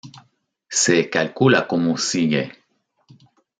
Se calcula como sigue